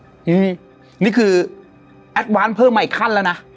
นี่คือแอดวานเพิ่มมาอีกขั้นแล้วนะ